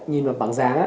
nhìn vào bảng giá